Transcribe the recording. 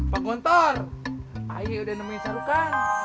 pak gontor ayo dan mencoba